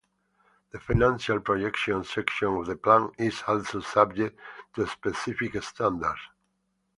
The financial projections section of the plan is also subject to specific standards.